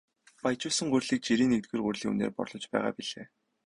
Баяжуулсан гурилыг жирийн нэгдүгээр гурилын үнээр борлуулж байгаа билээ.